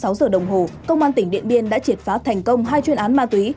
sáu giờ đồng hồ công an tỉnh điện biên đã triệt phá thành công hai chuyên án ma túy